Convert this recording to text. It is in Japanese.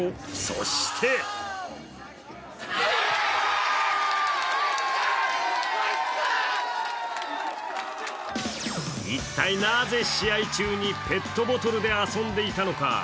そして一体、なぜ試合中にペットボトルで遊んでいたのか？